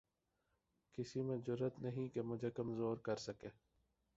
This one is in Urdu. کسی میں جرات نہیں کہ مجھے کمزور کر سکے